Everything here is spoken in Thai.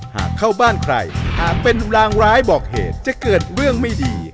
หากเข้าบ้านใครหากเป็นรางร้ายบอกเหตุจะเกิดเรื่องไม่ดี